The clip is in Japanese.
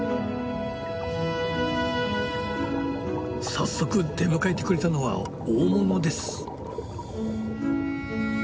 早速出迎えてくれたのは大物です。